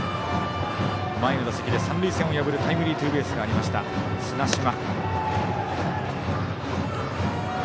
前の打席で三塁線を破るタイムリーツーベースがあった綱島。